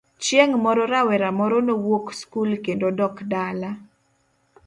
Chieng' moro rawera moro nowuok skul kendo dok dala.